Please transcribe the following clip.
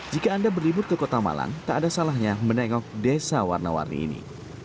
jika anda berlibur ke kota malang tak ada salahnya menengok desa warna warni ini